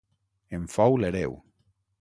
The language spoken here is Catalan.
En fou l'hereu.